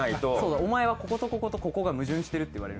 お前はこことこことここが矛盾してるって言われる。